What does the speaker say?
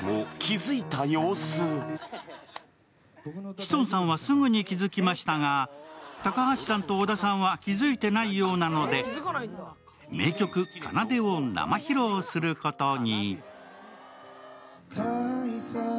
志尊さんはすぐに気付きましたが高橋さんと小田さんは気付いてないようなので名曲「奏」を生披露することに。